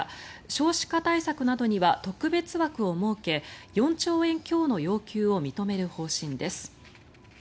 少子化対策などには特別枠を設け４兆円強の要求を認める方針です。